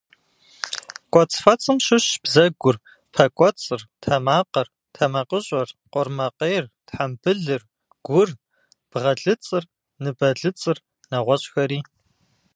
Кӏуэцӏфэцӏым щыщщ бзэгур, пэ кӏуэцӏыр, тэмакъыр, тэмакъыщӏэр, къурмакъейр, тхьэмбылыр, гур, бгъэлыцӏыр, ныбэлыцӏыр, нэгъуэщӏхэри.